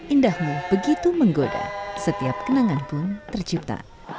indahmu begitu menggoda setiap kenangan pun tercipta